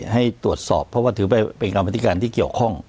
ให้ตรวจสอบเพราะว่าถือไปเป็นกรรมธิการที่เกี่ยวข้อง